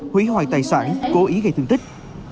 hủy hoại tài sản cố ý gây thương tích